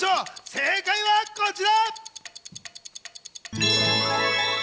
正解は、こちら。